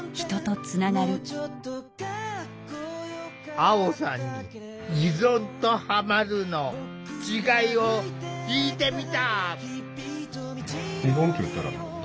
アオさんに“依存”と“ハマる”の違いを聞いてみた。